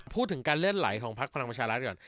พูดถึงการเลื่อนไหลของภาร์กจบลวงภาร์กประชารัฐฯก่อน